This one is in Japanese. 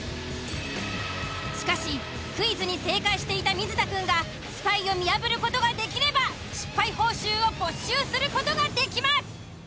しかしクイズに正解していた水田くんがスパイを見破る事ができれば失敗報酬を没収する事ができます。